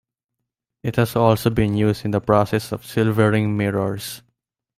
It has also been used in the process of silvering mirrors.